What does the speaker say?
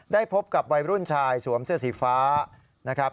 ได้พบกับวัยรุ่นชายสวมเสื้อสีฟ้า